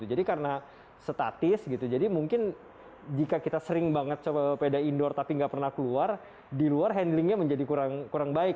jadi karena statis jadi mungkin jika kita sering banget sepeda indoor tapi nggak pernah keluar di luar handlingnya menjadi kurang baik